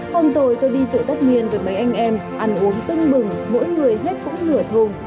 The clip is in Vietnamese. hôm rồi tôi đi dự tất nhiên với mấy anh em ăn uống tưng bừng mỗi người hết cũng nửa thùng